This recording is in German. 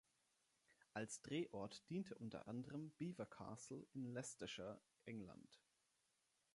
Als Drehort diente unter anderem Belvoir Castle in Leicestershire, England.